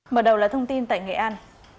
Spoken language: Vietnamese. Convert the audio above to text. mở đầu là thông tin tại nghệ an